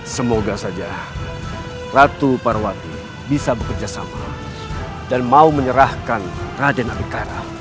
semoga saja ratu parwati bisa bekerja sama dan mau menyerahkan raden abikara